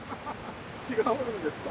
違うんですか？